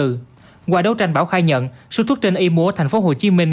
trong cuộc chiến đấu tranh bảo khai nhận số thuốc trên y múa thành phố hồ chí minh